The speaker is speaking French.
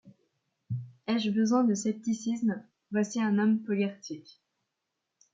Ai-je besoin de scepticisme, voici un homme polir tique.